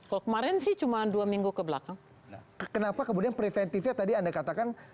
kalau kemarin sih cuma dua minggu kebelakang kenapa kemudian preventifnya tadi anda katakan